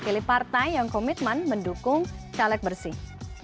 pilih partai yang komitmen mendukung caleg bersih